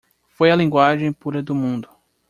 Foi a Linguagem pura do mundo.